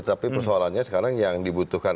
tapi persoalannya sekarang yang dibutuhkan